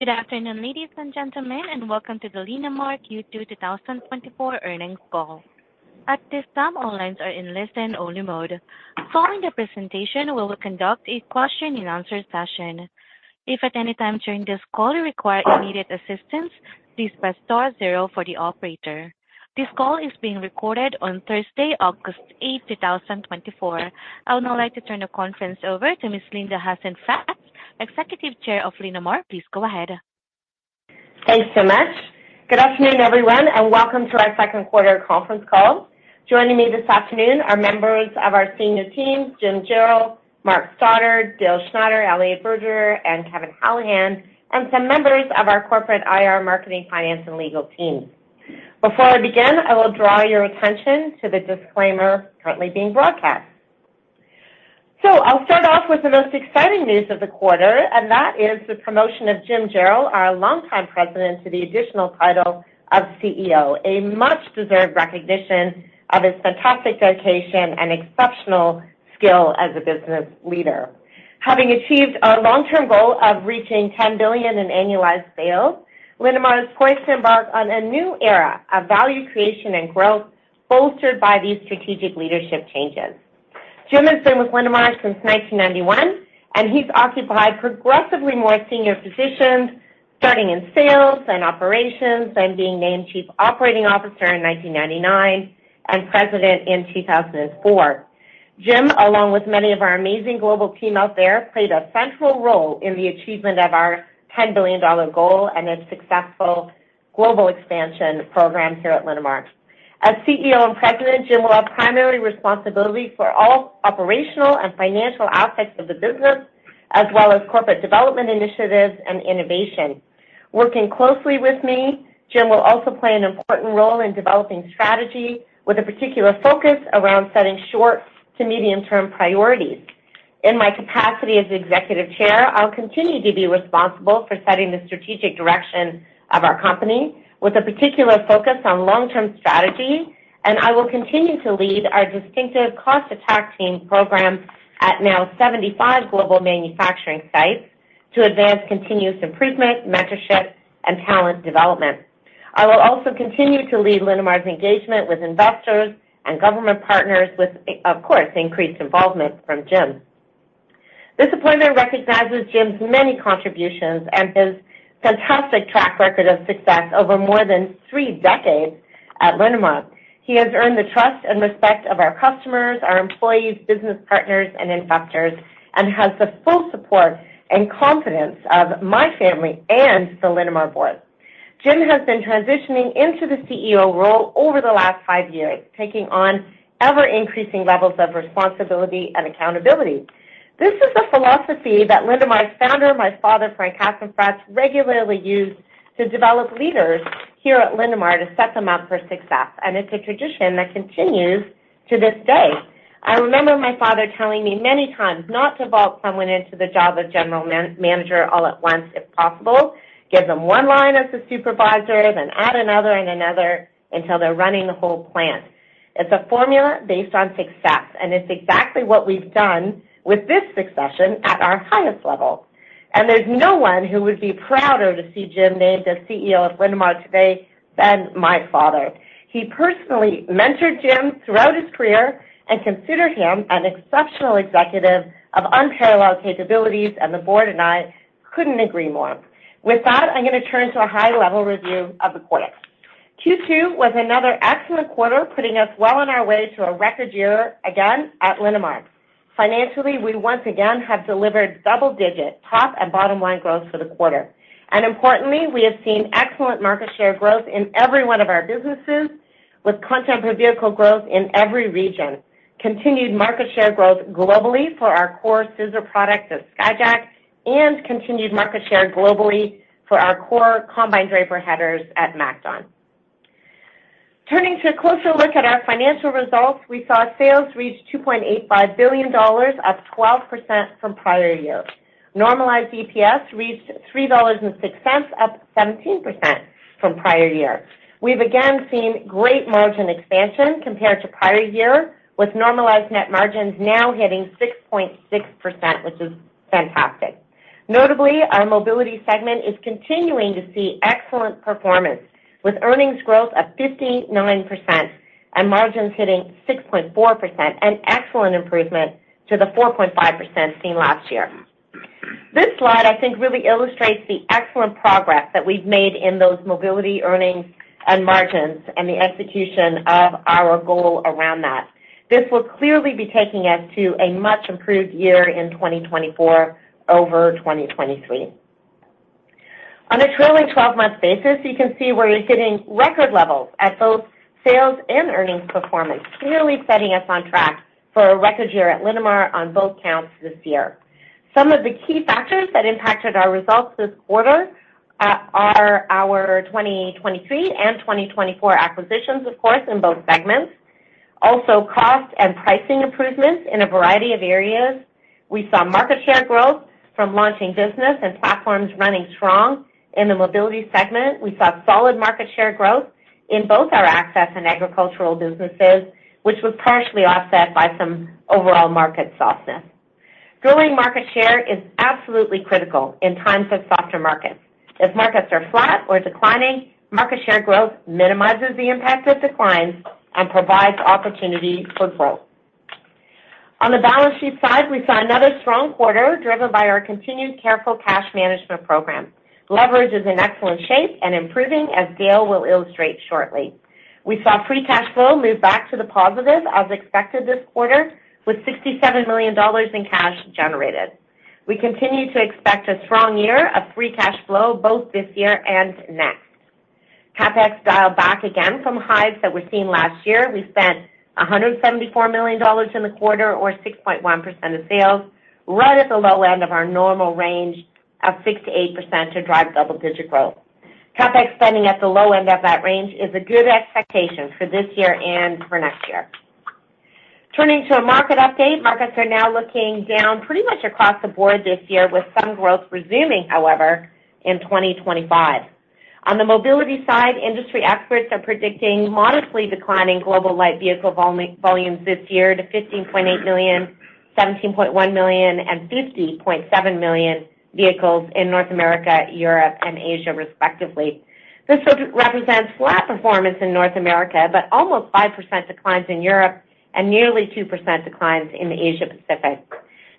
Good afternoon, ladies and gentlemen, and welcome to the Linamar Q2 2024 earnings call. At this time, all lines are in listen-only mode. Following the presentation, we will conduct a question-and-answe session. If at any time during this call you require immediate assistance, please press star zero for the operator. This call is being recorded on Thursday, August eighth, 2024. I would now like to turn the conference over to Ms. Linda Hasenfratz, Executive Chair of Linamar. Please go ahead. Thanks so much. Good afternoon, everyone, and welcome to our second quarter conference call. Joining me this afternoon are members of our senior team, Jim Jarrell, Mark Stoddart, Dale Schneider, Elliott Bridger, and Kevin Hallahan, and some members of our corporate IR, marketing, finance, and legal team. Before I begin, I will draw your attention to the disclaimer currently being broadcast. So I'll start off with the most exciting news of the quarter, and that is the promotion of Jim Jarrell, our longtime president, to the additional title of CEO, a much-deserved recognition of his fantastic dedication and exceptional skill as a business leader. Having achieved our long-term goal of reaching 10 billion in annualized sales, Linamar is poised to embark on a new era of value creation and growth, bolstered by these strategic leadership changes. Jim has been with Linamar since 1991, and he's occupied progressively more senior positions, starting in sales and operations and being named Chief Operating Officer in 1999 and President in 2004. Jim, along with many of our amazing global team out there, played a central role in the achievement of our 10 billion dollar goal and its successful global expansion program here at Linamar. As CEO and President, Jim will have primary responsibility for all operational and financial aspects of the business, as well as corporate development initiatives and innovation. Working closely with me, Jim will also play an important role in developing strategy, with a particular focus around setting short to medium-term priorities. In my capacity as Executive Chair, I'll continue to be responsible for setting the strategic direction of our company with a particular focus on long-term strategy, and I will continue to lead our distinctive Cost Attack Team program at now 75 global manufacturing sites to advance continuous improvement, mentorship, and talent development. I will also continue to lead Linamar's engagement with investors and government partners with, of course, increased involvement from Jim. This appointment recognizes Jim's many contributions and his fantastic track record of success over more than three decades at Linamar. He has earned the trust and respect of our customers, our employees, business partners, and investors, and has the full support and confidence of my family and the Linamar board. Jim has been transitioning into the CEO role over the last 5 years, taking on ever-increasing levels of responsibility and accountability. This is a philosophy that Linamar's founder, my father, Frank Hasenfratz, regularly used to develop leaders here at Linamar to set them up for success, and it's a tradition that continues to this day. I remember my father telling me many times not to vault someone into the job of general manager all at once if possible. Give them one line as a supervisor, then add another and another until they're running the whole plant. It's a formula based on success, and it's exactly what we've done with this succession at our highest level, and there's no one who would be prouder to see Jim named as CEO of Linamar today than my father. He personally mentored Jim throughout his career and considered him an exceptional executive of unparalleled capabilities, and the board and I couldn't agree more. With that, I'm gonna turn to a high-level review of the quarter. Q2 was another excellent quarter, putting us well on our way to a record year again at Linamar. Financially, we once again have delivered double-digit top and bottom-line growth for the quarter. Importantly, we have seen excellent market share growth in every one of our businesses, with content per vehicle growth in every region, continued market share growth globally for our core scissor products at Skyjack, and continued market share globally for our core combine draper headers at MacDon. Turning to a closer look at our financial results, we saw sales reach 2.85 billion dollars, up 12% from prior year. Normalized EPS reached 3.06 dollars, up 17% from prior year. We've again seen great margin expansion compared to prior year, with normalized net margins now hitting 6.6%, which is fantastic. Notably, our Mobility segment is continuing to see excellent performance, with earnings growth of 59% and margins hitting 6.4%, an excellent improvement to the 4.5% seen last year. This slide, I think, really illustrates the excellent progress that we've made in those Mobility earnings and margins and the execution of our goal around that. This will clearly be taking us to a much improved year in 2024 over 2023. On a trailing twelve-month basis, you can see we're hitting record levels at both sales and earnings performance, clearly setting us on track for a record year at Linamar on both counts this year. Some of the key factors that impacted our results this quarter are our 2023 and 2024 acquisitions, of course, in both segments. Also, cost and pricing improvements in a variety of areas. We saw market share growth from launching business and platforms running strong in the mobility segment. We saw solid market share growth in both our access and agricultural businesses, which was partially offset by some overall market softness. Growing market share is absolutely critical in times of softer markets. If markets are flat or declining, market share growth minimizes the impact of declines and provides opportunity for growth. On the balance sheet side, we saw another strong quarter, driven by our continued careful cash management program. Leverage is in excellent shape and improving, as Dale will illustrate shortly. We saw free cash flow move back to the positive, as expected this quarter, with 67 million dollars in cash generated. We continue to expect a strong year of free cash flow, both this year and next. CapEx dialed back again from highs that we're seeing last year. We spent 174 million dollars in the quarter, or 6.1% of sales, right at the low end of our normal range of 6%-8% to drive double-digit growth. CapEx spending at the low end of that range is a good expectation for this year and for next year. Turning to a market update, markets are now looking down pretty much across the board this year, with some growth resuming, however, in 2025. On the mobility side, industry experts are predicting modestly declining global light vehicle volumes this year to 15.8 million, 17.1 million, and 50.7 million vehicles in North America, Europe, and Asia, respectively. This represents flat performance in North America, but almost 5% declines in Europe and nearly 2% declines in the Asia Pacific.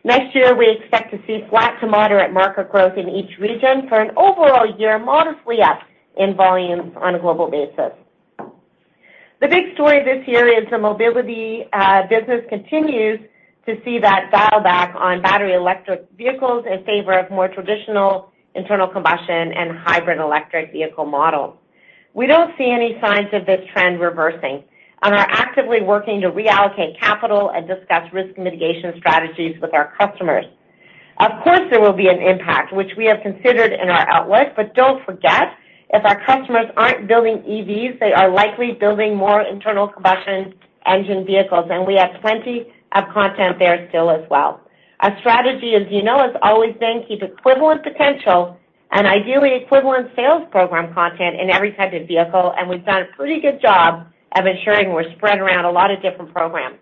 Next year, we expect to see flat to moderate market growth in each region for an overall year, modestly up in volumes on a global basis. The big story this year is the mobility business continues to see that dial back on battery electric vehicles in favor of more traditional internal combustion and hybrid electric vehicle models. We don't see any signs of this trend reversing, and are actively working to reallocate capital and discuss risk mitigation strategies with our customers. Of course, there will be an impact, which we have considered in our outlook, but don't forget, if our customers aren't building EVs, they are likely building more internal combustion engine vehicles, and we have plenty of content there still as well. Our strategy, as you know, has always been keep equivalent potential and ideally equivalent sales program content in every type of vehicle, and we've done a pretty good job of ensuring we're spread around a lot of different programs.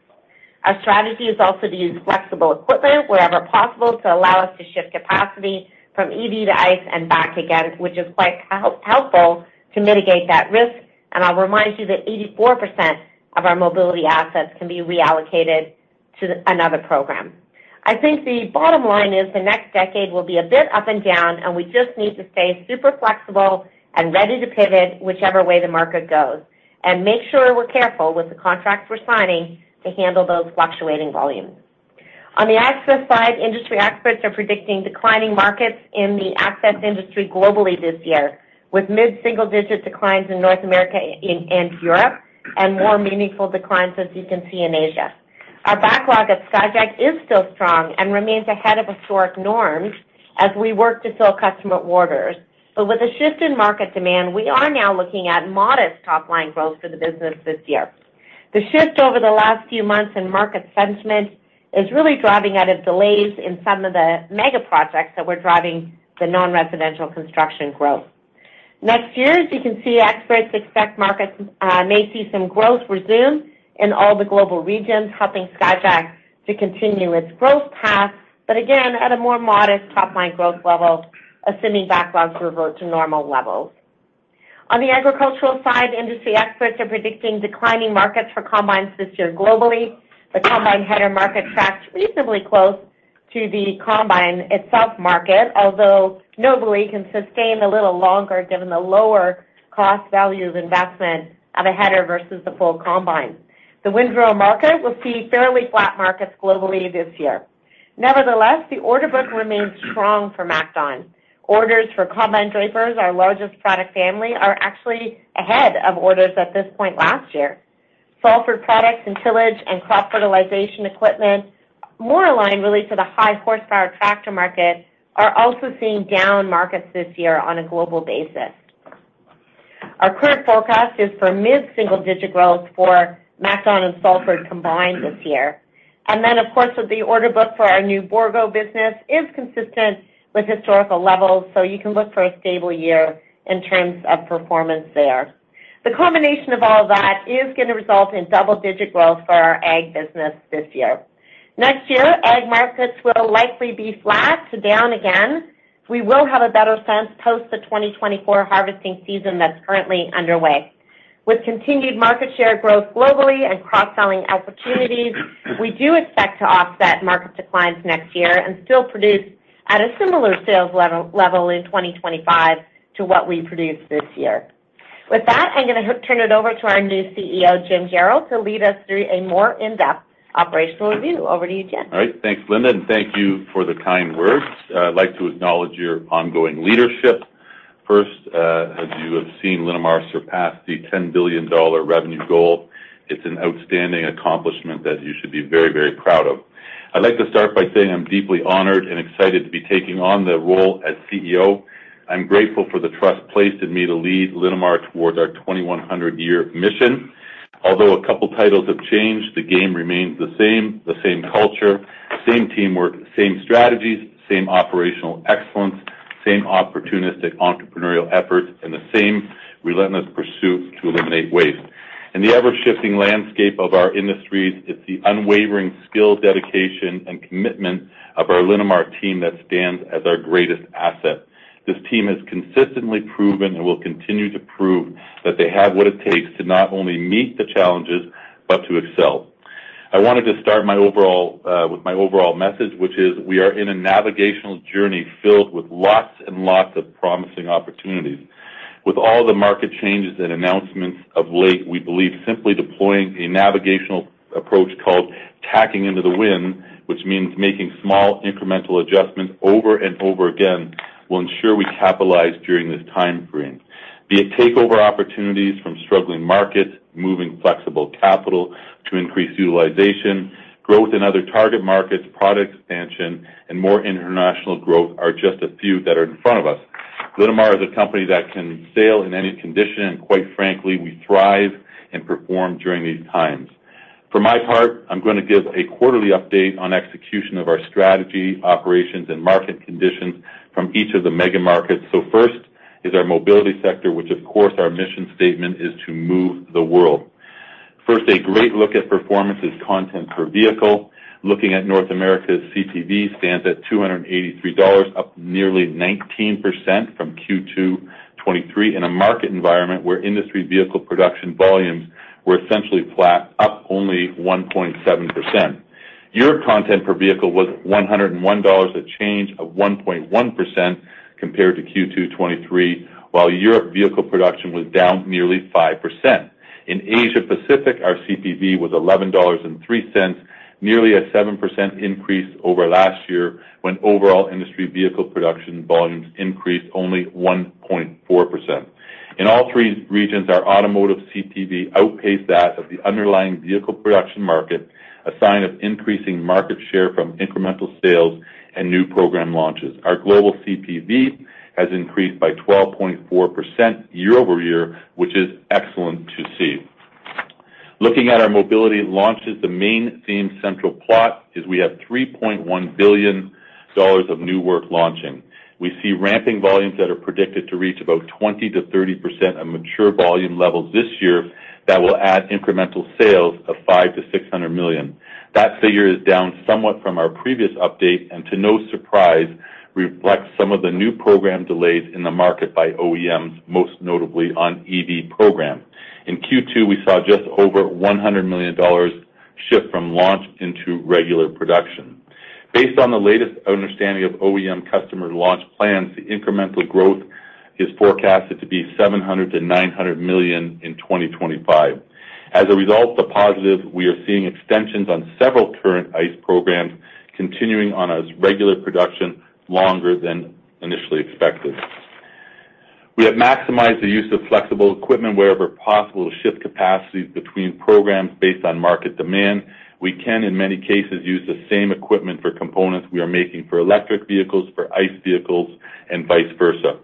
Our strategy is also to use flexible equipment wherever possible to allow us to shift capacity from EV to ICE and back again, which is quite helpful to mitigate that risk. I'll remind you that 84% of our mobility assets can be reallocated to another program. I think the bottom line is the next decade will be a bit up and down, and we just need to stay super flexible and ready to pivot whichever way the market goes, and make sure we're careful with the contracts we're signing to handle those fluctuating volumes. On the access side, industry experts are predicting declining markets in the access industry globally this year, with mid-single-digit declines in North America and Europe, and more meaningful declines, as you can see, in Asia. Our backlog at Skyjack is still strong and remains ahead of historic norms as we work to fill customer orders. But with the shift in market demand, we are now looking at modest top-line growth for the business this year. The shift over the last few months in market sentiment is really driving out of delays in some of the mega projects that were driving the non-residential construction growth. Next year, as you can see, experts expect markets may see some growth resume in all the global regions, helping Skyjack to continue its growth path, but again, at a more modest top-line growth level, assuming backlogs revert to normal levels. On the agricultural side, industry experts are predicting declining markets for combines this year globally. The combine header market tracks reasonably close to the combine itself market, although normally can sustain a little longer given the lower cost value of investment of a header versus the full combine. The windrow market will see fairly flat markets globally this year. Nevertheless, the order book remains strong for MacDon. Orders for combine drapers, our largest product family, are actually ahead of orders at this point last year. Salford products and tillage and crop fertilization equipment, more aligned really to the high horsepower tractor market, are also seeing down markets this year on a global basis. Our current forecast is for mid-single-digit growth for MacDon and Salford combined this year. And then, of course, with the order book for our new Bourgault business is consistent with historical levels, so you can look for a stable year in terms of performance there. The combination of all that is gonna result in double-digit growth for our ag business this year. Next year, ag markets will likely be flat to down again. We will have a better sense post the 2024 harvesting season that's currently underway. With continued market share growth globally and cross-selling opportunities, we do expect to offset market declines next year and still produce at a similar sales level in 2025 to what we produced this year. With that, I'm gonna turn it over to our new CEO, Jim Jarrell, to lead us through a more in-depth operational review. Over to you, Jim. All right. Thanks, Linda, and thank you for the kind words. I'd like to acknowledge your ongoing leadership. First, as you have seen Linamar surpass the 10 billion dollar revenue goal, it's an outstanding accomplishment that you should be very, very proud of. I'd like to start by saying I'm deeply honored and excited to be taking on the role as CEO. I'm grateful for the trust placed in me to lead Linamar towards our 2100 year mission.... Although a couple titles have changed, the game remains the same, the same culture, same teamwork, same strategies, same operational excellence, same opportunistic entrepreneurial effort, and the same relentless pursuit to eliminate waste. In the ever-shifting landscape of our industries, it's the unwavering skill, dedication, and commitment of our Linamar team that stands as our greatest asset. This team has consistently proven and will continue to prove that they have what it takes to not only meet the challenges, but to excel. I wanted to start my overall, with my overall message, which is we are in a navigational journey filled with lots and lots of promising opportunities. With all the market changes and announcements of late, we believe simply deploying a navigational approach called tacking into the wind, which means making small incremental adjustments over and over again, will ensure we capitalize during this time frame. Be it takeover opportunities from struggling markets, moving flexible capital to increase utilization, growth in other target markets, product expansion, and more international growth are just a few that are in front of us. Linamar is a company that can sail in any condition, and quite frankly, we thrive and perform during these times. For my part, I'm going to give a quarterly update on execution of our strategy, operations, and market conditions from each of the mega markets. So first is our mobility sector, which, of course, our mission statement is to move the world. First, a great look at performance is content per vehicle. Looking at North America's CPV stands at $283, up nearly 19% from Q2 2023, in a market environment where industry vehicle production volumes were essentially flat, up only 1.7%. Europe content per vehicle was $101, a change of 1.1% compared to Q2 2023, while Europe vehicle production was down nearly 5%. In Asia Pacific, our CPV was $11.03, nearly a 7% increase over last year, when overall industry vehicle production volumes increased only 1.4%. In all three regions, our automotive CPV outpaced that of the underlying vehicle production market, a sign of increasing market share from incremental sales and new program launches. Our global CPV has increased by 12.4% year-over-year, which is excellent to see. Looking at our mobility launches, the main theme central plot is we have 3.1 billion dollars of new work launching. We see ramping volumes that are predicted to reach about 20%-30% of mature volume levels this year that will add incremental sales of 500 million-600 million. That figure is down somewhat from our previous update, and to no surprise, reflects some of the new program delays in the market by OEMs, most notably on EV program. In Q2, we saw just over 100 million dollars shift from launch into regular production. Based on the latest understanding of OEM customer launch plans, the incremental growth is forecasted to be 700 million-900 million in 2025. As a result, the positive, we are seeing extensions on several current ICE programs, continuing on as regular production longer than initially expected. We have maximized the use of flexible equipment wherever possible to shift capacities between programs based on market demand. We can, in many cases, use the same equipment for components we are making for electric vehicles, for ICE vehicles, and vice versa.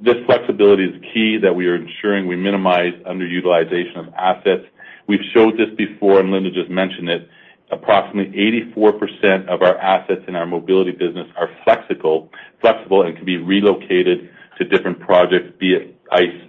This flexibility is key that we are ensuring we minimize underutilization of assets. We've showed this before, and Linda just mentioned it, approximately 84% of our assets in our mobility business are flexible, flexible and can be relocated to different projects, be it ICE,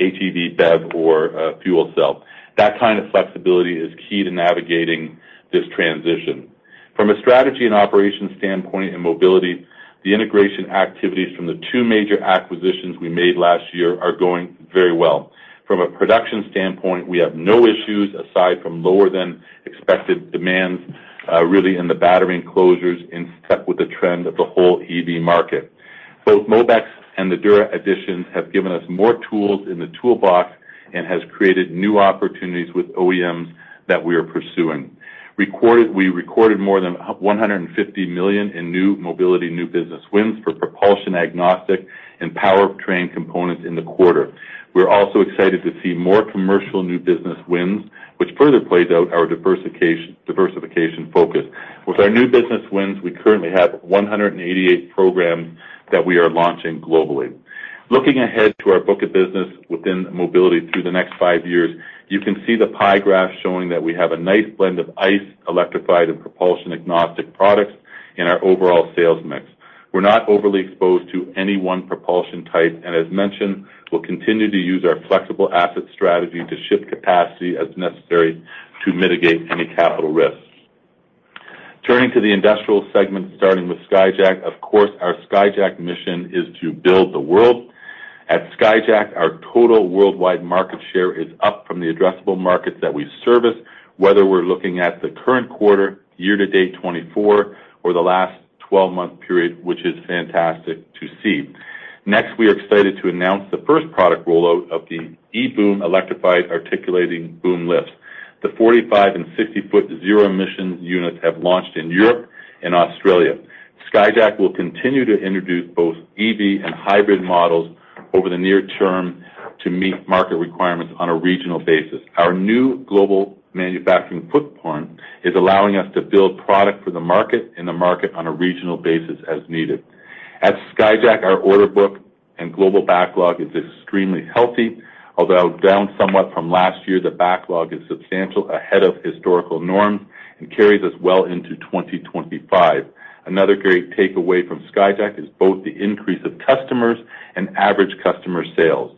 HEV, BEV, or, fuel cell. That kind of flexibility is key to navigating this transition. From a strategy and operations standpoint in mobility, the integration activities from the two major acquisitions we made last year are going very well. From a production standpoint, we have no issues aside from lower than expected demands, really in the battery enclosures, in step with the trend of the whole EV market. Both Mobex and the Dura additions have given us more tools in the toolbox and has created new opportunities with OEMs that we are pursuing. We recorded more than 150 million in new mobility, new business wins for propulsion agnostic and powertrain components in the quarter. We're also excited to see more commercial new business wins, which further plays out our diversification focus. With our new business wins, we currently have 188 programs that we are launching globally. Looking ahead to our book of business within mobility through the next five years, you can see the pie graph showing that we have a nice blend of ICE, electrified, and propulsion-agnostic products in our overall sales mix. We're not overly exposed to any one propulsion type, and as mentioned, we'll continue to use our flexible asset strategy to shift capacity as necessary to mitigate any capital risks. Turning to the industrial segment, starting with Skyjack, of course, our Skyjack mission is to build the world. At Skyjack, our total worldwide market share is up from the addressable markets that we service, whether we're looking at the current quarter, year to date 2024, or the last 12-month period, which is fantastic to see. Next, we are excited to announce the first product rollout of the E-Boom electrified articulating boom lift. The 45- and 60-foot zero-emission units have launched in Europe and Australia. Skyjack will continue to introduce both EV and hybrid models over the near term to meet market requirements on a regional basis. Our new global manufacturing footprint is allowing us to build product for the market and the market on a regional basis as needed. At Skyjack, our order book-... and global backlog is extremely healthy. Although down somewhat from last year, the backlog is substantial, ahead of historical norms, and carries us well into 2025. Another great takeaway from Skyjack is both the increase of customers and average customer sales.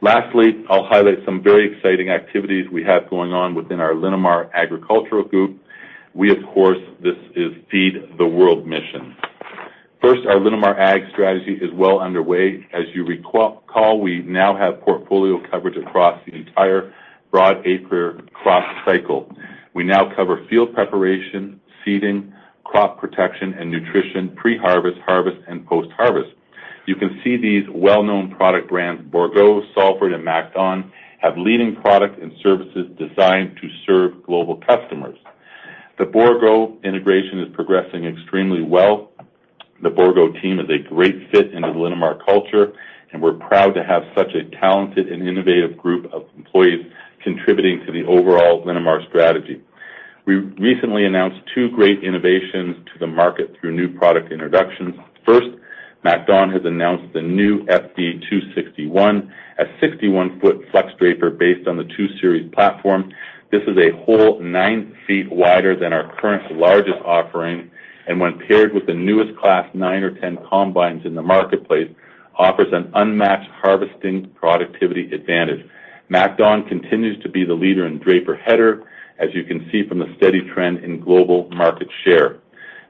Lastly, I'll highlight some very exciting activities we have going on within our Linamar Agricultural Group. We, of course, this is Feed the World mission. First, our Linamar Ag strategy is well underway. As you recall, we now have portfolio coverage across the entire broad acre crop cycle. We now cover field preparation, seeding, crop protection and nutrition, pre-harvest, harvest, and post-harvest. You can see these well-known product brands, Bourgault, Salford, and MacDon, have leading products and services designed to serve global customers. The Bourgault integration is progressing extremely well. The Bourgault team is a great fit into the Linamar culture, and we're proud to have such a talented and innovative group of employees contributing to the overall Linamar strategy. We recently announced two great innovations to the market through new product introductions. First, MacDon has announced the new FD 261, a 61-foot flex draper based on the 2 series platform. This is a whole 9 feet wider than our current largest offering, and when paired with the newest class 9 or 10 combines in the marketplace, offers an unmatched harvesting productivity advantage. MacDon continues to be the leader in draper header, as you can see from the steady trend in global market share.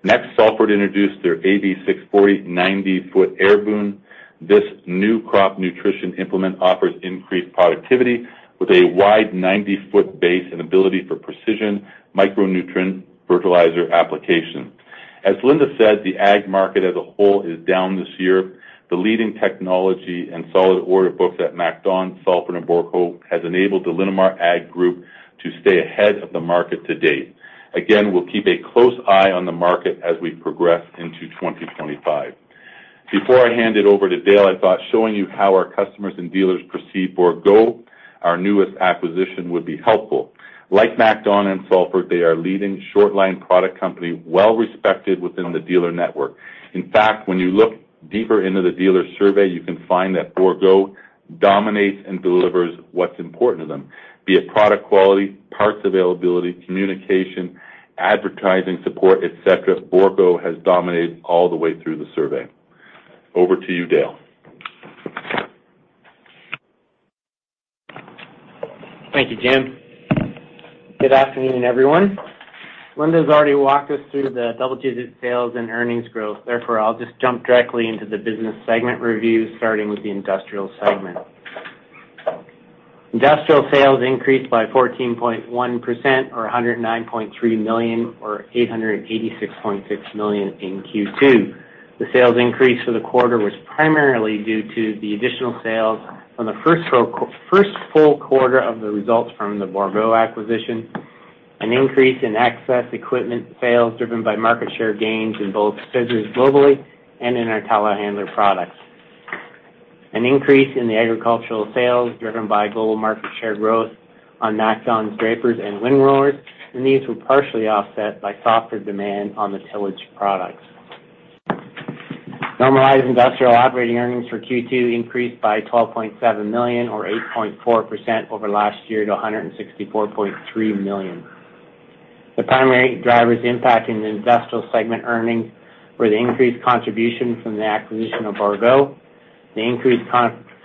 Next, Salford introduced their AB640 90-foot Air Boom. This new crop nutrition implement offers increased productivity with a wide 90-foot base and ability for precision micronutrient fertilizer application. As Linda said, the ag market as a whole is down this year. The leading technology and solid order books at MacDon, Salford, and Bourgault has enabled the Linamar Ag Group to stay ahead of the market to date. Again, we'll keep a close eye on the market as we progress into 2025. Before I hand it over to Dale, I thought showing you how our customers and dealers perceive Bourgault, our newest acquisition, would be helpful. Like MacDon and Salford, they are a leading short line product company, well-respected within the dealer network. In fact, when you look deeper into the dealer survey, you can find that Bourgault dominates and delivers what's important to them, be it product quality, parts availability, communication, advertising, support, et cetera. Bourgault has dominated all the way through the survey. Over to you, Dale. Thank you, Jim. Good afternoon, everyone. Linda has already walked us through the double-digit sales and earnings growth. Therefore, I'll just jump directly into the business segment review, starting with the industrial segment. Industrial sales increased by 14.1%, or 109.3 million, or 886.6 million in Q2. The sales increase for the quarter was primarily due to the additional sales on the first full, first full quarter of the results from the Bourgault acquisition, an increase in access equipment sales, driven by market share gains in both scissors globally and in our telehandler products. An increase in the agricultural sales, driven by global market share growth on MacDon drapers and windrowers, and these were partially offset by softer demand on the tillage products. Normalized industrial operating earnings for Q2 increased by 12.7 million, or 8.4% over last year, to 164.3 million. The primary drivers impacting the industrial segment earnings were the increased contribution from the acquisition of Bourgault, the increased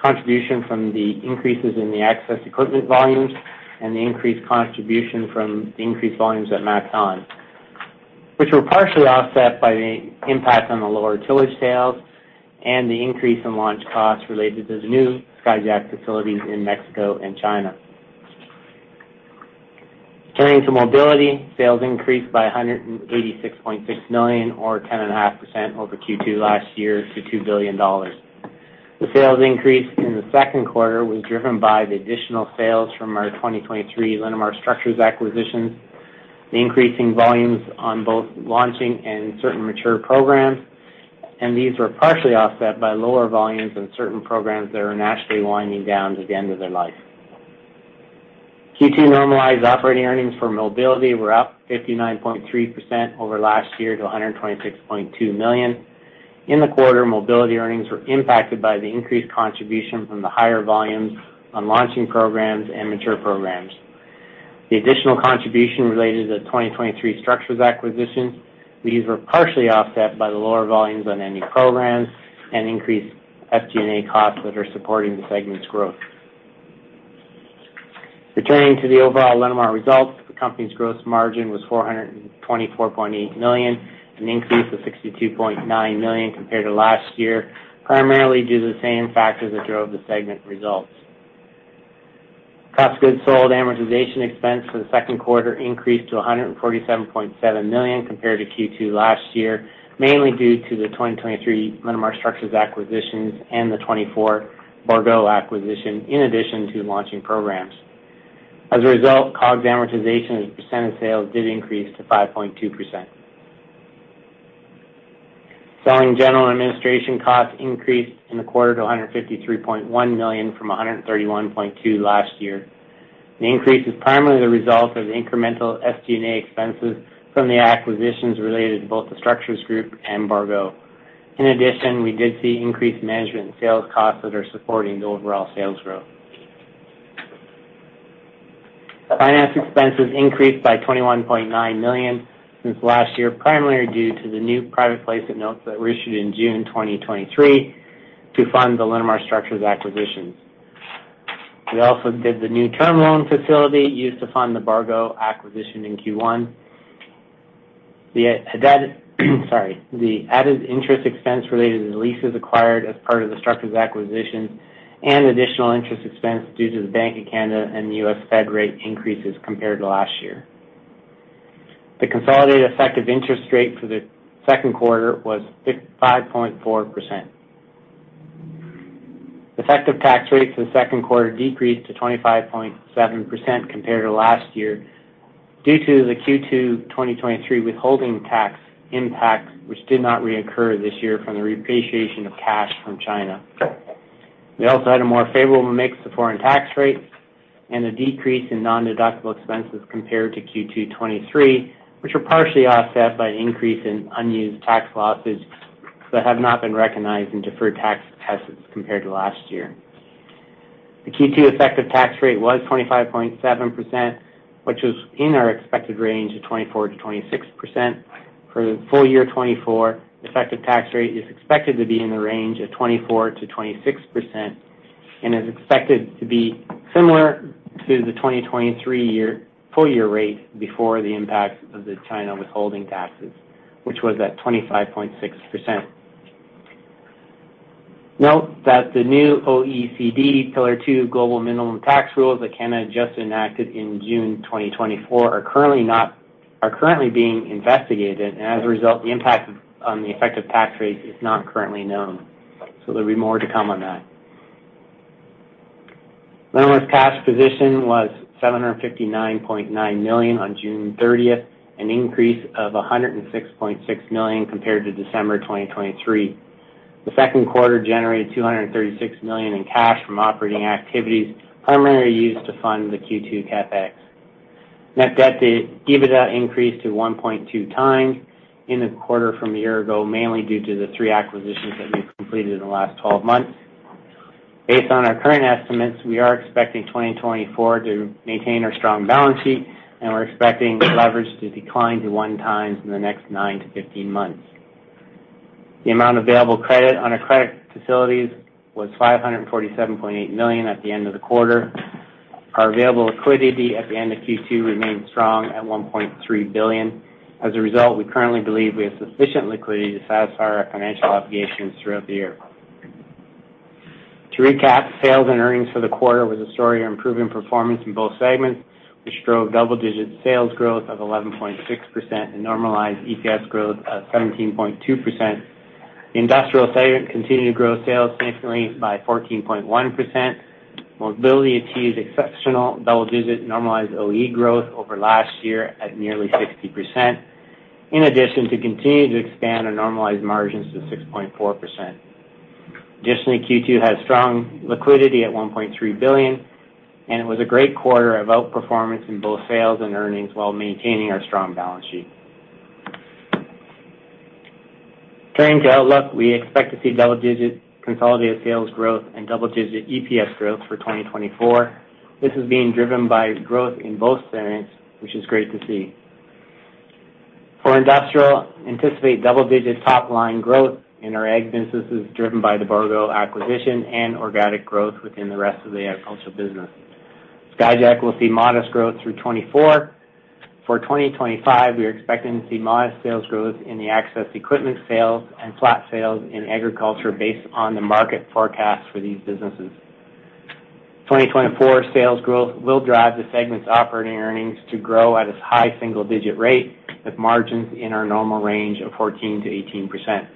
contribution from the increases in the access equipment volumes, and the increased contribution from the increased volumes at MacDon, which were partially offset by the impact on the lower tillage sales and the increase in launch costs related to the new Skyjack facilities in Mexico and China. Turning to mobility, sales increased by 186.6 million, or 10.5%, over Q2 last year to 2 billion dollars. The sales increase in the second quarter was driven by the additional sales from our 2023 Linamar Structures acquisitions, the increasing volumes on both launching and certain mature programs, and these were partially offset by lower volumes in certain programs that are naturally winding down to the end of their life. Q2 normalized operating earnings for mobility were up 59.3% over last year to 126.2 million. In the quarter, mobility earnings were impacted by the increased contribution from the higher volumes on launching programs and mature programs. The additional contribution related to the 2023 Structures acquisition. These were partially offset by the lower volumes on any programs and increased SG&A costs that are supporting the segment's growth. Returning to the overall Linamar results, the company's gross margin was 424.8 million, an increase of 62.9 million compared to last year, primarily due to the same factors that drove the segment results. Cost of goods sold amortization expense for the second quarter increased to 147.7 million compared to Q2 last year, mainly due to the 2023 Linamar Structures acquisitions and the 2024 Bourgault acquisition, in addition to launching programs. As a result, COGS amortization as a percent of sales did increase to 5.2%. Selling, general, and administration costs increased in the quarter to 153.1 million from 131.2 million last year. The increase is primarily the result of incremental SG&A expenses from the acquisitions related to both the Structures group and Borgo. In addition, we did see increased management and sales costs that are supporting the overall sales growth. Finance expenses increased by 21.9 million since last year, primarily due to the new private placement notes that were issued in June 2023 to fund the Linamar Structures acquisitions. We also did the new term loan facility used to fund the Bourgault acquisition in Q1. The added interest expense related to the leases acquired as part of the Structures acquisition and additional interest expense due to the Bank of Canada and the U.S. Fed rate increases compared to last year. The consolidated effective interest rate for the second quarter was 55.4%. Effective tax rate for the second quarter decreased to 25.7% compared to last year, due to the Q2 2023 withholding tax impact, which did not reoccur this year from the repatriation of cash from China. We also had a more favorable mix of foreign tax rates and a decrease in nondeductible expenses compared to Q2 2023, which were partially offset by an increase in unused tax losses that have not been recognized in deferred tax assets compared to last year. The Q2 effective tax rate was 25.7%, which was in our expected range of 24%-26%. For the full year 2024, effective tax rate is expected to be in the range of 24%-26% and is expected to be similar to the 2023 full year rate before the impact of the China withholding taxes, which was at 25.6%. Note that the new OECD Pillar Two global minimum tax rules that Canada just enacted in June 2024 are currently being investigated, and as a result, the impact on the effective tax rate is not currently known. There'll be more to come on that. Linamar's cash position was 759.9 million on June 30, an increase of 106.6 million compared to December 2023. The second quarter generated 236 million in cash from operating activities, primarily used to fund the Q2 CapEx. Net debt to EBITDA increased to 1.2 times in the quarter from a year ago, mainly due to the 3 acquisitions that we've completed in the last 12 months. Based on our current estimates, we are expecting 2024 to maintain our strong balance sheet, and we're expecting leverage to decline to 1 times in the next 9-15 months. The amount of available credit on our credit facilities was 547.8 million at the end of the quarter. Our available liquidity at the end of Q2 remained strong at 1.3 billion. As a result, we currently believe we have sufficient liquidity to satisfy our financial obligations throughout the year. To recap, sales and earnings for the quarter was a story of improving performance in both segments, which drove double-digit sales growth of 11.6% and normalized EPS growth of 17.2%. The Industrial segment continued to grow sales significantly by 14.1%. Mobility achieved exceptional double-digit normalized OE growth over last year at nearly 60%, in addition to continuing to expand our normalized margins to 6.4%. Additionally, Q2 had strong liquidity at 1.3 billion, and it was a great quarter of outperformance in both sales and earnings while maintaining our strong balance sheet. Turning to outlook, we expect to see double-digit consolidated sales growth and double-digit EPS growth for 2024. This is being driven by growth in both segments, which is great to see. For Industrial, anticipate double-digit top-line growth in our ag businesses, driven by the Bourgault acquisition and organic growth within the rest of the agricultural business. Skyjack will see modest growth through 2024. For 2025, we are expecting to see modest sales growth in the access equipment sales and flat sales in agriculture based on the market forecast for these businesses. 2024 sales growth will drive the segment's operating earnings to grow at a high single-digit rate, with margins in our normal range of 14%-18%.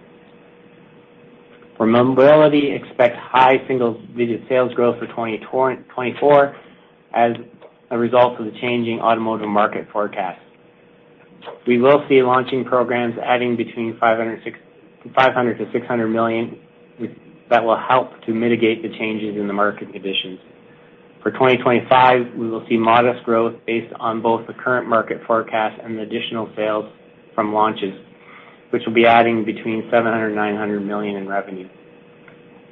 For Mobility, expect high single-digit sales growth for 2024 and 2024 as a result of the changing automotive market forecast. We will see launching programs adding between 500 million-600 million, which will help to mitigate the changes in the market conditions. For 2025, we will see modest growth based on both the current market forecast and the additional sales from launches, which will be adding between 700 million and 900 million in revenue.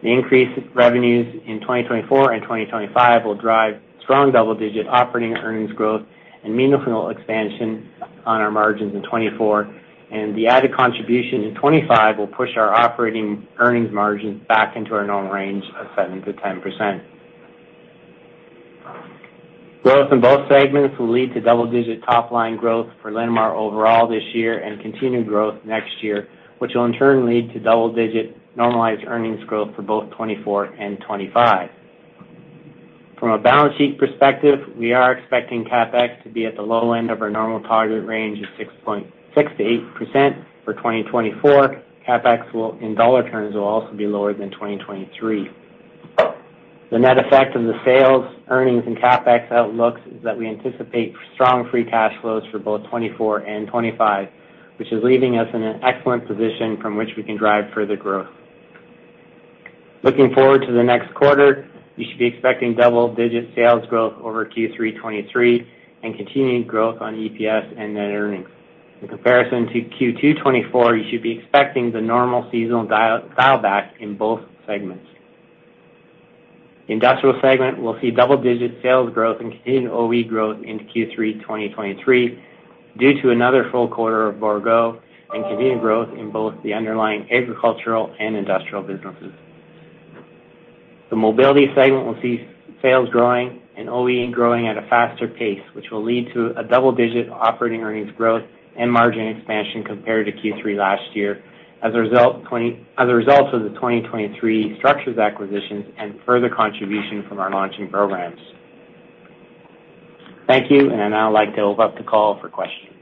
The increased revenues in 2024 and 2025 will drive strong double-digit operating earnings growth and meaningful expansion on our margins in 2024, and the added contribution in 2025 will push our operating earnings margins back into our normal range of 7%-10%. Growth in both segments will lead to double-digit top-line growth for Linamar overall this year and continued growth next year, which will in turn lead to double-digit normalized earnings growth for both 2024 and 2025. From a balance sheet perspective, we are expecting CapEx to be at the low end of our normal target range of 6.6%-8%. For 2024, CapEx will, in dollar terms, will also be lower than 2023. The net effect of the sales, earnings, and CapEx outlooks is that we anticipate strong free cash flows for both 2024 and 2025, which is leaving us in an excellent position from which we can drive further growth. Looking forward to the next quarter, you should be expecting double-digit sales growth over Q3 2023 and continued growth on EPS and net earnings. In comparison to Q2 2024, you should be expecting the normal seasonal dial, dial back in both segments. Industrial segment will see double-digit sales growth and continued OE growth into Q3 2023, due to another full quarter of Bourgault and continued growth in both the underlying agricultural and industrial businesses. The mobility segment will see sales growing and OE growing at a faster pace, which will lead to a double-digit operating earnings growth and margin expansion compared to Q3 last year. As a result of the 2023 structures acquisitions and further contribution from our launching programs. Thank you, and I'd now like to open up the call for questions.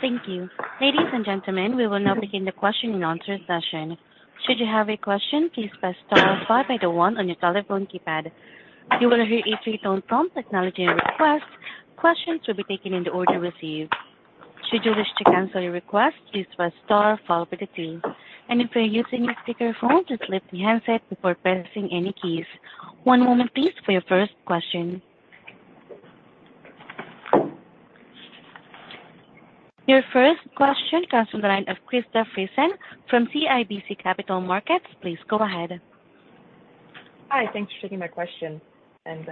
Thank you. Ladies and gentlemen, we will now begin the question and answer session. Should you have a question, please press star followed by the one on your telephone keypad. You will hear a three-tone prompt acknowledging your request. Questions will be taken in the order received. Should you wish to cancel your request, please press star followed by the three. And if you're using a speakerphone, just lift the handset before pressing any keys. One moment, please, for your first question. Your first question comes from the line of Krista Friesen from CIBC Capital Markets. Please go ahead. Hi, thanks for taking my question, and,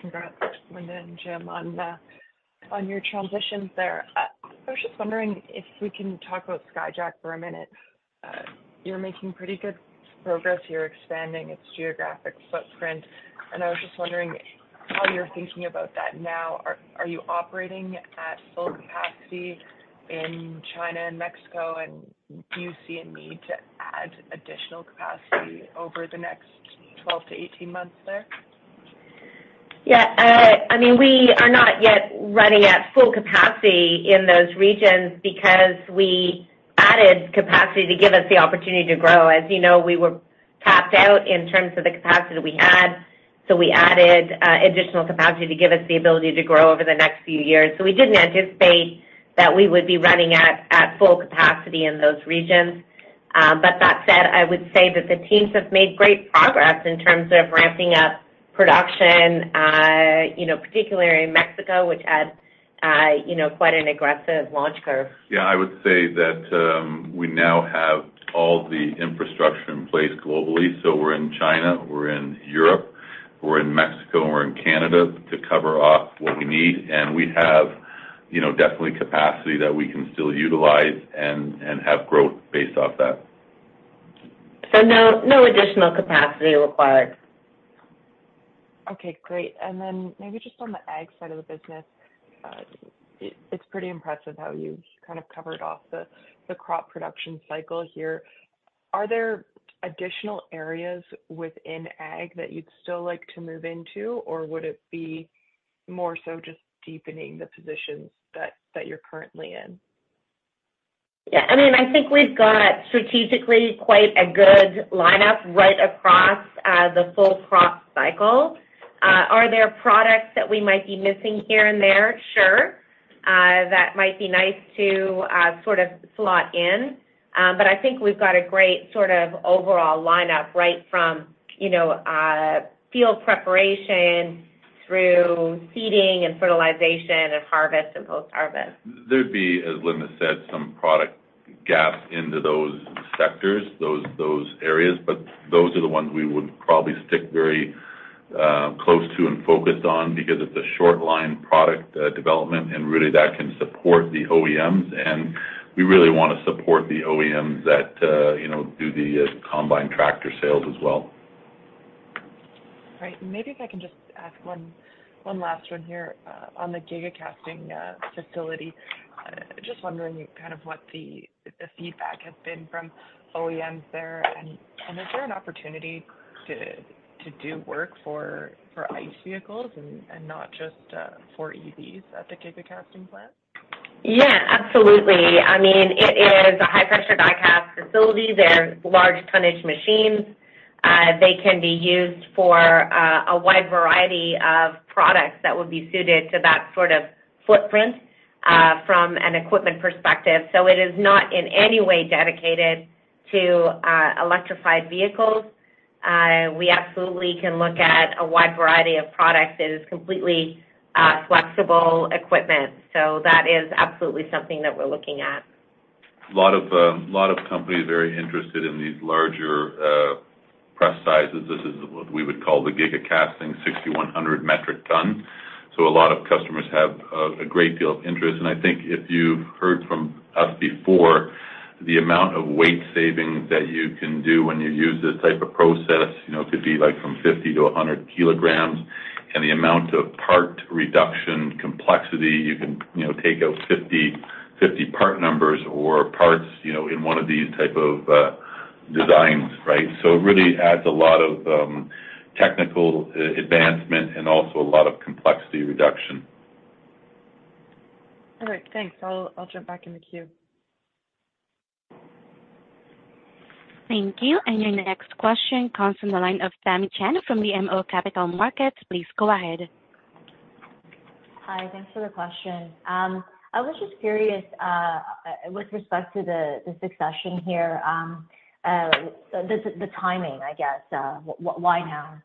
congrats, Linda and Jim, on, on your transitions there. I was just wondering if we can talk about Skyjack for a minute. You're making pretty good progress here, expanding its geographic footprint, and I was just wondering how you're thinking about that now. Are you operating at full capacity in China and Mexico? And do you see a need to add additional capacity over the next 12-18 months there? Yeah, I mean, we are not yet running at full capacity in those regions because we added capacity to give us the opportunity to grow. As you know, we were tapped out in terms of the capacity we had, so we added additional capacity to give us the ability to grow over the next few years. So we didn't anticipate that we would be running at full capacity in those regions. But that said, I would say that the teams have made great progress in terms of ramping up production, you know, particularly in Mexico, which had you know, quite an aggressive launch curve. Yeah, I would say that we now have all the infrastructure in place globally. So we're in China, we're in Europe, we're in Mexico, and we're in Canada to cover off what we need. We have, you know, definitely capacity that we can still utilize and have growth based off that. No, no additional capacity required. Okay, great. And then maybe just on the ag side of the business. It's pretty impressive how you've kind of covered off the, the crop production cycle here. Are there additional areas within ag that you'd still like to move into, or would it be more so just deepening the positions that, that you're currently in? Yeah, I mean, I think we've got strategically quite a good lineup right across the full crop cycle. Are there products that we might be missing here and there? Sure. That might be nice to sort of slot in. But I think we've got a great sort of overall lineup, right from, you know, field preparation through seeding and fertilization and harvest and post-harvest. There'd be, as Linda said, some product gaps into those sectors, those, those areas. But those are the ones we would probably stick very, close to and focus on, because it's a short line product, development, and really, that can support the OEMs, and we really want to support the OEMs that, you know, do the combine tractor sales as well. Great. And maybe if I can just ask one last one here. On the Giga casting facility. Just wondering kind of what the feedback has been from OEMs there. And is there an opportunity to do work for ICE vehicles and not just for EVs at the Giga casting plant? Yeah, absolutely. I mean, it is a high-pressure die cast facility. There's large tonnage machines. They can be used for a wide variety of products that would be suited to that sort of footprint from an equipment perspective. So it is not in any way dedicated to electrified vehicles. We absolutely can look at a wide variety of products. It is completely flexible equipment, so that is absolutely something that we're looking at. A lot of a lot of companies are very interested in these larger, press sizes. This is what we would call the giga casting, 6,100 metric ton. So a lot of customers have a great deal of interest. And I think if you've heard from us before, the amount of weight saving that you can do when you use this type of process, you know, could be like from 50 to 100 kilograms. And the amount of part reduction complexity, you can, you know, take out 50, 50 part numbers or parts, you know, in one of these type of, designs, right? So it really adds a lot of technical advancement and also a lot of complexity reduction. All right, thanks. I'll jump back in the queue. Thank you. Your next question comes from the line of Tamy Chen from the BMO Capital Markets. Please go ahead.... Hi, thanks for the question. I was just curious with respect to the succession here, the timing, I guess. Why now?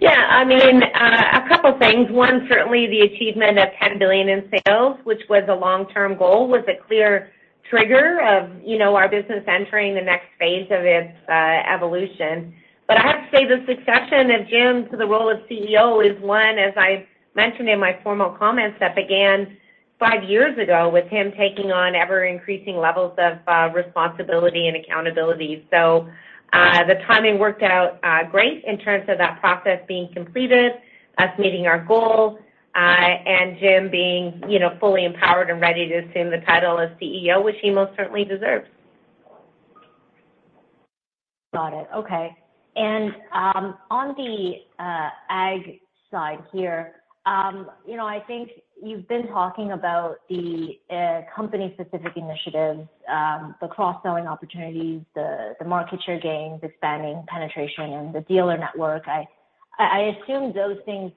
Yeah, I mean, a couple things. One, certainly the achievement of 10 billion in sales, which was a long-term goal, was a clear trigger of, you know, our business entering the next phase of its evolution. But I have to say, the succession of Jim to the role of CEO is one, as I mentioned in my formal comments, that began five years ago, with him taking on ever-increasing levels of responsibility and accountability. So, the timing worked out great in terms of that process being completed, us meeting our goal, and Jim being, you know, fully empowered and ready to assume the title of CEO, which he most certainly deserves. Got it. Okay. And on the ag side here, you know, I think you've been talking about the company-specific initiatives, the cross-selling opportunities, the market share gains, expanding penetration, and the dealer network. I assume those things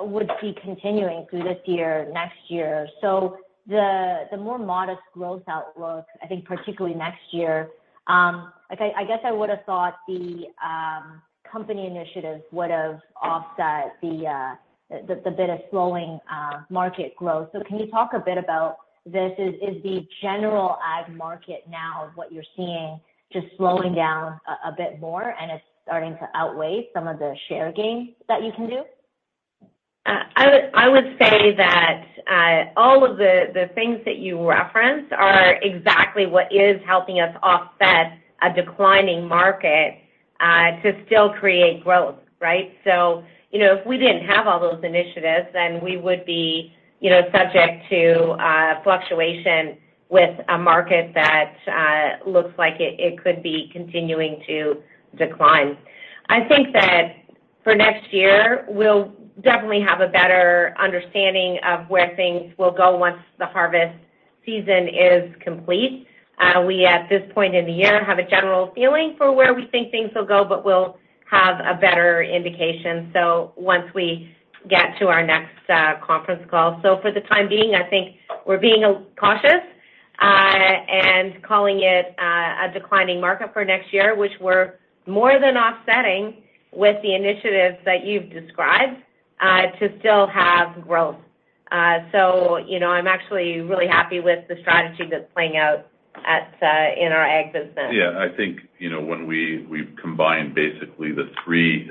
would be continuing through this year, next year. So the more modest growth outlook, I think, particularly next year, like, I guess I would've thought the company initiatives would've offset the bit of slowing market growth. So can you talk a bit about this? Is the general ag market now, what you're seeing, just slowing down a bit more, and it's starting to outweigh some of the share gains that you can do? I would say that all of the things that you referenced are exactly what is helping us offset a declining market, to still create growth, right? So, you know, if we didn't have all those initiatives, then we would be, you know, subject to fluctuation with a market that looks like it could be continuing to decline. I think that for next year, we'll definitely have a better understanding of where things will go once the harvest season is complete. We, at this point in the year, have a general feeling for where we think things will go, but we'll have a better indication, so once we get to our next conference call. So for the time being, I think we're being cautious and calling it a declining market for next year, which we're more than offsetting with the initiatives that you've described to still have growth. So, you know, I'm actually really happy with the strategy that's playing out in our ag business. Yeah, I think, you know, when we, we've combined basically the three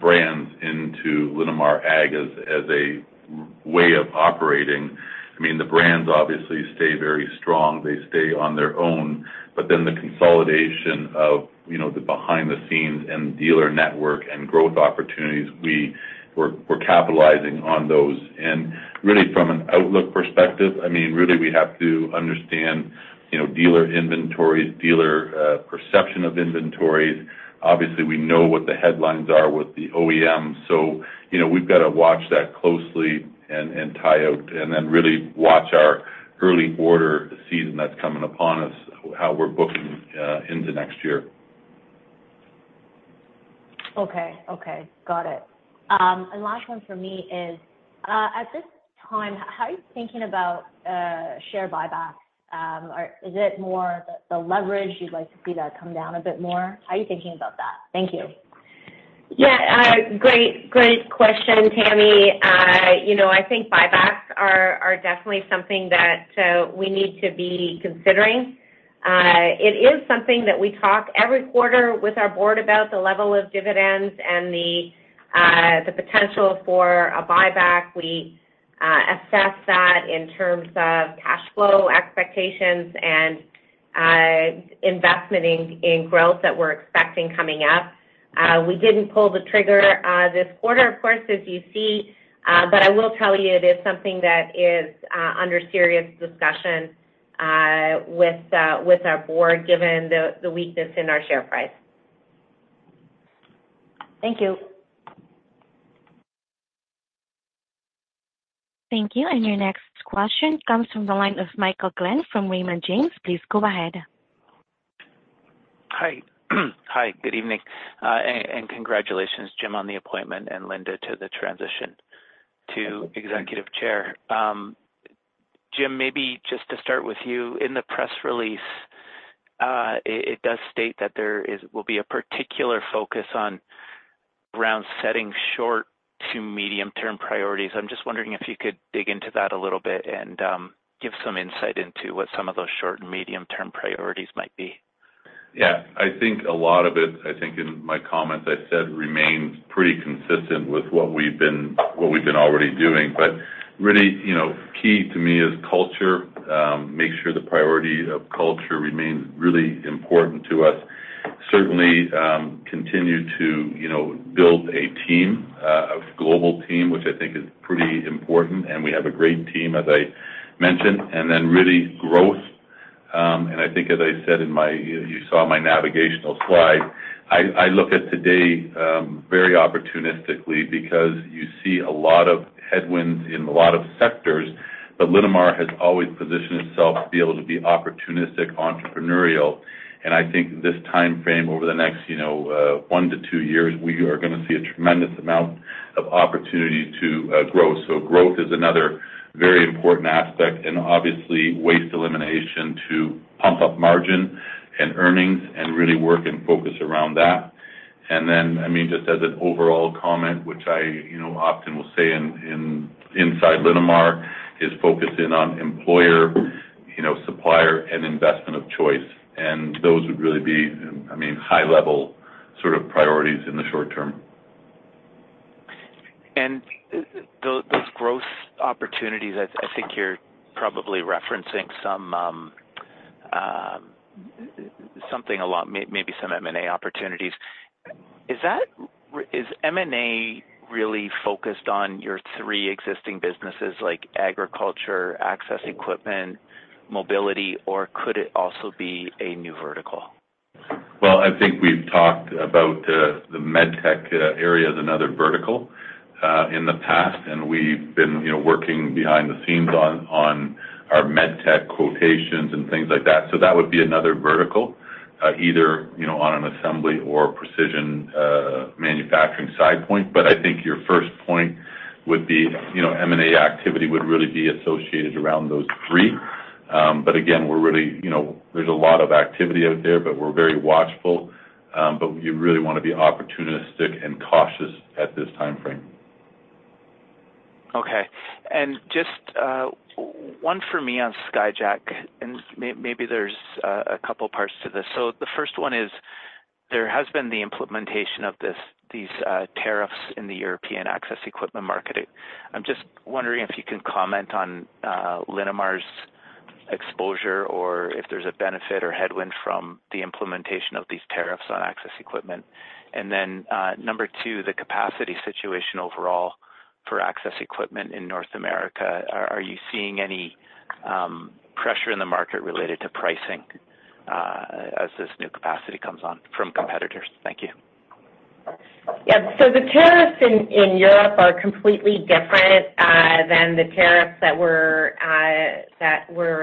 brands into Linamar Ag as, as a way of operating, I mean, the brands obviously stay very strong. They stay on their own, but then the consolidation of, you know, the behind the scenes and dealer network and growth opportunities, we're, we're capitalizing on those. And really, from an outlook perspective, I mean, really, we have to understand, you know, dealer inventories, dealer perception of inventories. Obviously, we know what the headlines are with the OEMs, so, you know, we've got to watch that closely and, and tie out, and then really watch our early order season that's coming upon us, how we're booking into next year. Okay, okay. Got it. And last one for me is, at this time, how are you thinking about share buybacks? Or is it more the, the leverage, you'd like to see that come down a bit more? How are you thinking about that? Thank you. Yeah, great, great question, Tammy. You know, I think buybacks are, are definitely something that we need to be considering. It is something that we talk every quarter with our board about the level of dividends and the potential for a buyback. We assess that in terms of cash flow expectations and investment in growth that we're expecting coming up. We didn't pull the trigger this quarter, of course, as you see, but I will tell you, it is something that is under serious discussion with our board, given the weakness in our share price. Thank you. Thank you. Your next question comes from the line of Michael Glenn from Raymond James. Please go ahead. Hi. Hi, good evening, and congratulations, Jim, on the appointment, and Linda, to the transition to Executive Chair. Jim, maybe just to start with you. In the press release, it does state that there will be a particular focus on around setting short to medium-term priorities. I'm just wondering if you could dig into that a little bit and give some insight into what some of those short and medium-term priorities might be. Yeah. I think a lot of it, I think in my comments, I said, remains pretty consistent with what we've been, what we've been already doing. But really, you know, key to me is culture. Make sure the priority of culture remains really important to us. Certainly, continue to, you know, build a team, a global team, which I think is pretty important, and we have a great team, as I mentioned, and then really growth. And I think as I said in my, you saw my navigational slide, I, I look at today, very opportunistically because you see a lot of headwinds in a lot of sectors. But Linamar has always positioned itself to be able to be opportunistic, entrepreneurial, and I think this time frame over the next, you know, 1-2 years, we are gonna see a tremendous amount of opportunity to grow. So growth is another very important aspect, and obviously, waste elimination to pump up margin and earnings and really work and focus around that. And then, I mean, just as an overall comment, which I, you know, often will say in inside Linamar, is focusing on employer, you know, supplier, and investment of choice. And those would really be, I mean, high level sort of priorities in the short term. And those growth opportunities, I think you're probably referencing some, something along, maybe some M&A opportunities. Is M&A really focused on your three existing businesses, like agriculture, access equipment, mobility, or could it also be a new vertical? Well, I think we've talked about the med tech area as another vertical in the past, and we've been, you know, working behind the scenes on our med tech quotations and things like that. So that would be another vertical, either, you know, on an assembly or a precision manufacturing side point. But I think your first point would be, you know, M&A activity would really be associated around those three. But again, we're really, you know, there's a lot of activity out there, but we're very watchful, but we really wanna be opportunistic and cautious at this time frame. Okay. And just, one for me on Skyjack, and maybe there's a couple parts to this. So the first one is, there has been the implementation of these tariffs in the European access equipment market. I'm just wondering if you can comment on, Linamar's exposure, or if there's a benefit or headwind from the implementation of these tariffs on access equipment. And then, number two, the capacity situation overall for access equipment in North America. Are you seeing any pressure in the market related to pricing, as this new capacity comes on from competitors? Thank you. Yeah. So the tariffs in Europe are completely different than the tariffs that were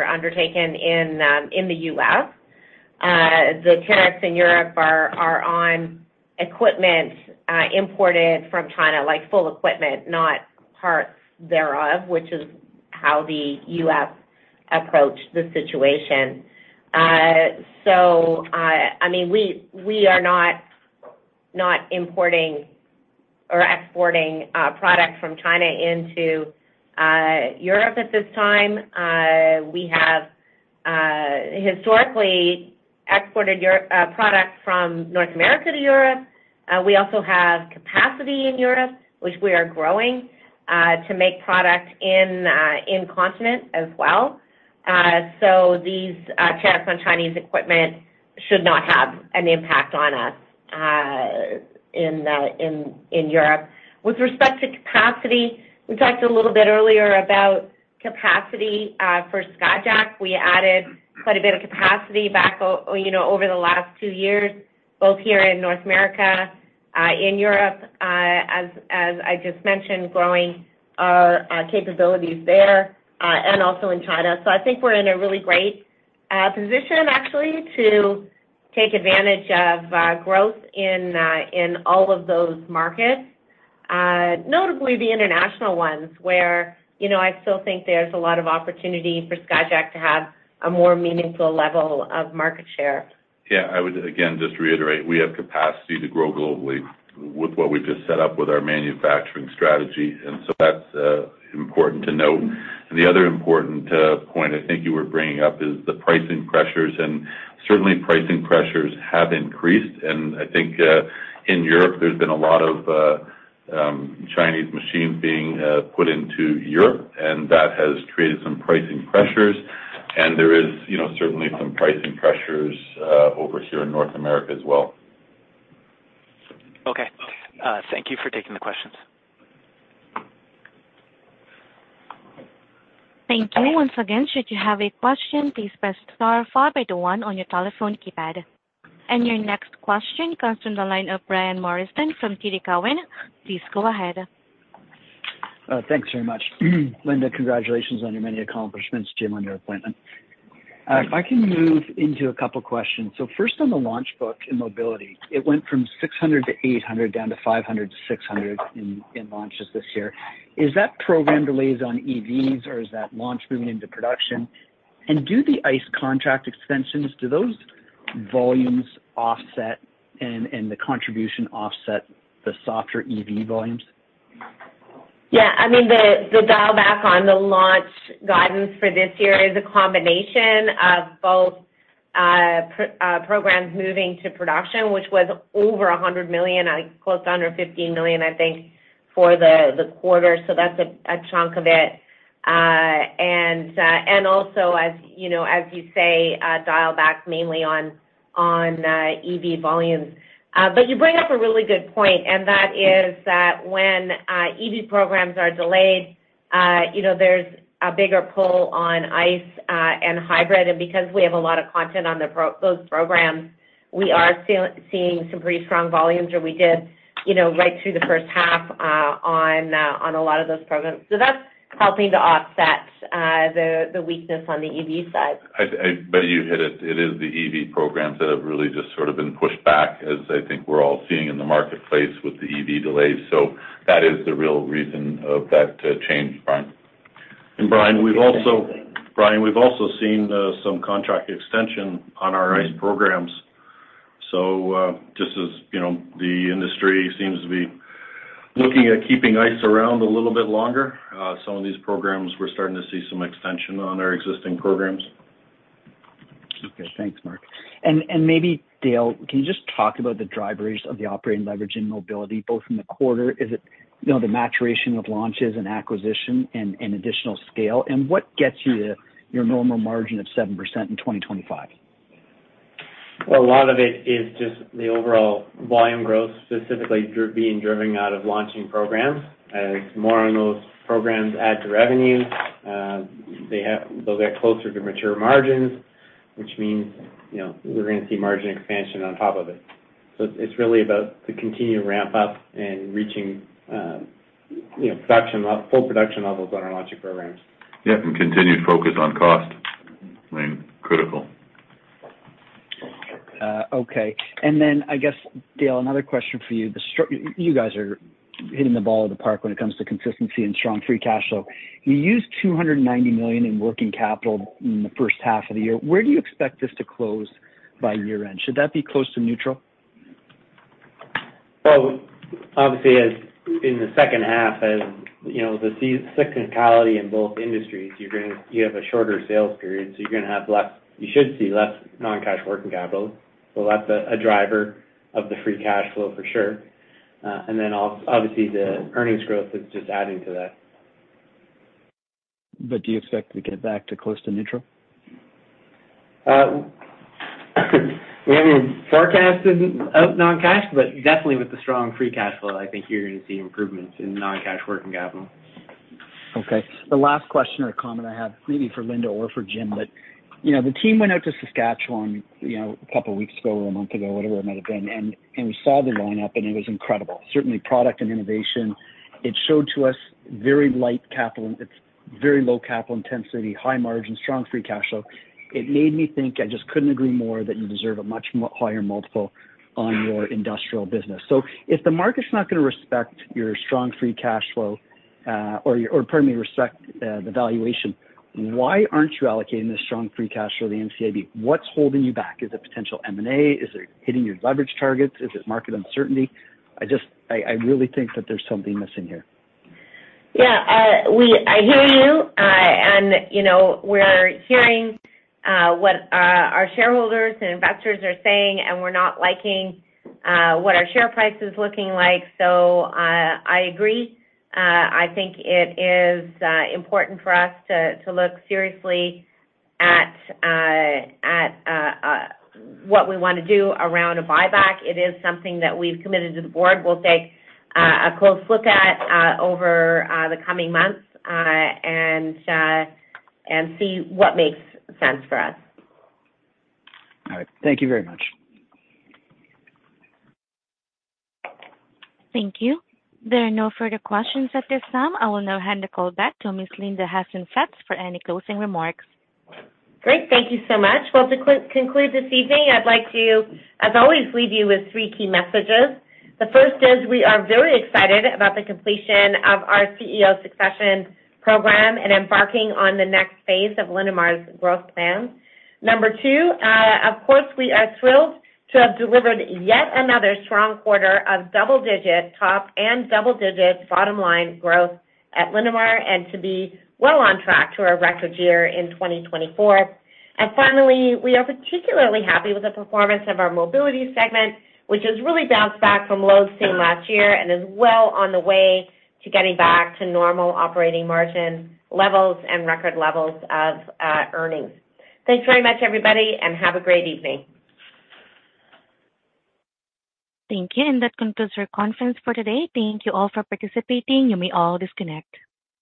undertaken in the U.S. The tariffs in Europe are on equipment imported from China, like full equipment, not parts thereof, which is how the U.S. approached the situation. So, I mean, we are not importing or exporting product from China into Europe at this time. We have historically exported product from North America to Europe. We also have capacity in Europe, which we are growing to make product in continent as well. So these tariffs on Chinese equipment should not have an impact on us in Europe. With respect to capacity, we talked a little bit earlier about capacity for Skyjack. We added quite a bit of capacity back, you know, over the last two years, both here in North America, in Europe, as I just mentioned, growing capabilities there, and also in China. So I think we're in a really great position, actually, to take advantage of growth in all of those markets, notably the international ones, where, you know, I still think there's a lot of opportunity for Skyjack to have a more meaningful level of market share. Yeah, I would, again, just reiterate, we have capacity to grow globally with what we've just set up with our manufacturing strategy, and so that's important to note. And the other important point I think you were bringing up is the pricing pressures. And certainly, pricing pressures have increased, and I think in Europe, there's been a lot of Chinese machines being put into Europe, and that has created some pricing pressures. And there is, you know, certainly some pricing pressures over here in North America as well. Okay. Thank you for taking the questions. Thank you. Once again, should you have a question, please press star four by the one on your telephone keypad. Your next question comes from the line of Brian Morrison from TD Cowen. Please go ahead. Thanks very much. Linda, congratulations on your many accomplishments, Jim, on your appointment. If I can move into a couple of questions. So first, on the launch book in mobility, it went from 600 to 800, down to 500-600 in, in launches this year. Is that program delays on EVs, or is that launch moving into production? And do the ICE contract extensions, do those volumes offset and, and the contribution offset the softer EV volumes? Yeah, I mean, the dial back on the launch guidance for this year is a combination of both, programs moving to production, which was over 100 million, close to under 50 million, I think, for the quarter. So that's a chunk of it. And also, as you know, as you say, dial back mainly on EV volumes. But you bring up a really good point, and that is that when EV programs are delayed, you know, there's a bigger pull on ICE and hybrid. And because we have a lot of content on those programs, we are seeing some pretty strong volumes, or we did, you know, right through the first half, on a lot of those programs. So that's helping to offset the weakness on the EV side. But you hit it. It is the EV programs that have really just sort of been pushed back as I think we're all seeing in the marketplace with the EV delays. So that is the real reason of that change, Brian. Brian, we've also seen some contract extension on our ICE programs. So, just as, you know, the industry seems to be looking at keeping ICE around a little bit longer, some of these programs, we're starting to see some extension on our existing programs. Okay. Thanks, Mark. And maybe, Dale, can you just talk about the drivers of the operating leverage in Mobility, both in the quarter? Is it, you know, the maturation of launches and acquisition and additional scale? And what gets you to your normal margin of 7% in 2025? Well, a lot of it is just the overall volume growth, specifically being driven out of launching programs. As more on those programs add to revenue, they'll get closer to mature margins, which means, you know, we're gonna see margin expansion on top of it. So it's really about the continued ramp up and reaching, you know, production level, full production levels on our launch programs. Yeah, and continued focus on cost, I mean, critical. Okay. And then I guess, Dale, another question for you. You guys are hitting the ball at the park when it comes to consistency and strong free cash flow. You used 290 million in working capital in the first half of the year. Where do you expect this to close by year-end? Should that be close to neutral? Well, obviously, as in the second half, as you know, the seasonality in both industries, you're gonna—you have a shorter sales period, so you're gonna have less... You should see less non-cash working capital. So that's a driver of the free cash flow, for sure. And then obviously, the earnings growth is just adding to that. Do you expect to get back to close to neutral? We haven't forecasted out non-cash, but definitely with the strong free cash flow, I think you're gonna see improvements in non-cash working capital. Okay. The last question or comment I have, maybe for Linda or for Jim, but, you know, the team went out to Saskatchewan, you know, a couple of weeks ago or a month ago, whatever it might have been, and we saw the lineup, and it was incredible. Certainly, product and innovation, it showed to us very light capital. It's very low capital intensity, high margin, strong free cash flow. It made me think, I just couldn't agree more, that you deserve a much higher multiple on your industrial business. So if the market's not gonna respect your strong free cash flow, or your, or pardon me, respect, the valuation, why aren't you allocating this strong free cash flow to the NCIB? What's holding you back? Is it potential M&A? Is it hitting your leverage targets? Is it market uncertainty? I just really think that there's something missing here. Yeah, I hear you. And, you know, we're hearing what our shareholders and investors are saying, and we're not liking what our share price is looking like. So, I agree. I think it is important for us to look seriously at what we wanna do around a buyback. It is something that we've committed to the board. We'll take a close look at over the coming months, and see what makes sense for us. All right. Thank you very much. Thank you. There are no further questions at this time. I will now hand the call back to Ms. Linda Hasenfratz for any closing remarks. Great. Thank you so much. Well, to conclude this evening, I'd like to, as always, leave you with three key messages. The first is, we are very excited about the completion of our CEO succession program and embarking on the next phase of Linamar's growth plan. Number two, of course, we are thrilled to have delivered yet another strong quarter of double-digit top and double-digit bottom line growth at Linamar, and to be well on track to a record year in 2024. And finally, we are particularly happy with the performance of our Mobility segment, which has really bounced back from lows seen last year and is well on the way to getting back to normal operating margin levels and record levels of earnings. Thanks very much, everybody, and have a great evening. Thank you, and that concludes our conference for today. Thank you all for participating. You may all disconnect.